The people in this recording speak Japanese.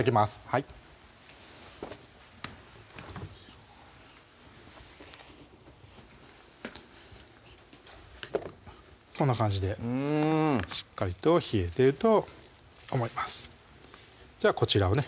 はいこんな感じでうんしっかりと冷えてると思いますじゃあこちらをね